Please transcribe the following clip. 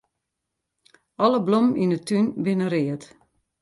Alle blommen yn 'e tún binne read.